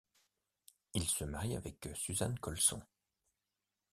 Il se marie avec Suzanne Colson.